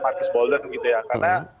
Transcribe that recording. marcus bolden gitu ya karena